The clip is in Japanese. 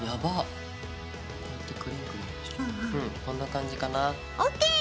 こんな感じかな。